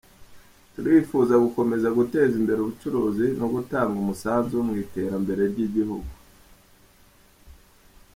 Turifuza gukomeza guteza imbere ubucuruzi no gutanga umusanzu mu iterambere ry’igihugu.